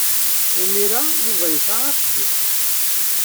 Imir-a, Yuba yesɛa axeddim.